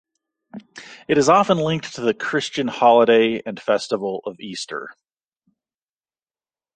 It is often linked to the Christian holiday and festival of Easter.